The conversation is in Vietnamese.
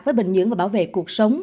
với bình nhưỡng và bảo vệ cuộc sống